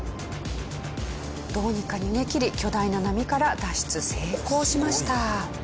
どうにか逃げきり巨大な波から脱出成功しました。